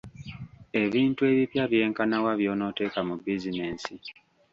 Ebintu ebipya byenkana wa by’onooteeka mu bizinensi?